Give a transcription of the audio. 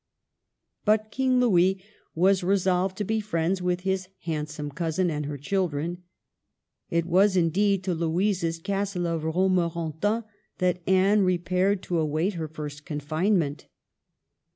But King Louis was resolved to be friends with his handsome cousin and her children. It was, indeed, to Louisa's Castle of Romorantin that Anne repaired to await her first confinement.